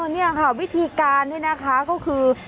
นี่ค่ะวิธีการนี่นะคะก็คือ